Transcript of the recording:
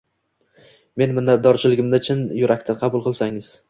Meni minnatdorchiligimni chin yurakdan qabul qilsangiz.